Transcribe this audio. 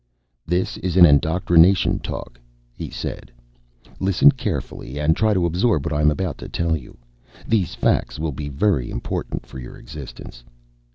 "This is an indoctrination talk," he said. "Listen carefully and try to absorb what I am about to tell you. These facts will be very important for your existence."